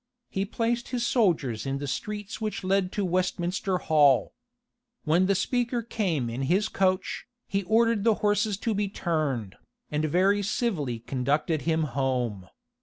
He placed his soldiers in the streets which led to Westminster Hall. When the speaker came in his coach, he ordered the horses to be turned, and very civilly conducted him home.